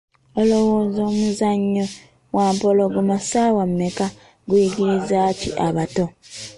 Olowooza omuzannyo ‘Wampologoma ssaawa mmeka’ guyigiriza ki abato?